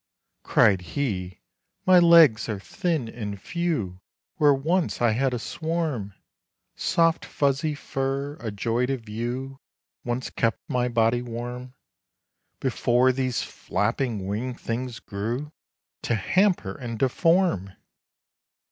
Cried he, "My legs are thin and fewWhere once I had a swarm! Soft fuzzy fur—a joy to view—Once kept my body warm, Before these flapping wing things grew, To hamper and deform!"